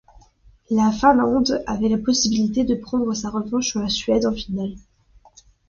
La Finlande avait la possibilité de prendre sa revanche sur la Suède en finale.